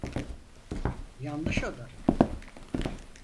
Yanlış oda.